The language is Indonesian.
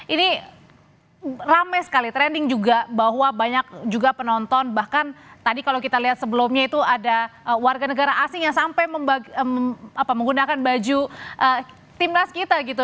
ini ramai sekali trending juga bahwa banyak juga penonton bahkan tadi kalau kita lihat sebelumnya itu ada warga negara asing yang sampai menggunakan baju timnas kita gitu